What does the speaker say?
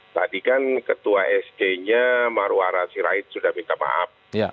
tadi kan ketua sd nya marwara sirait sudah minta maaf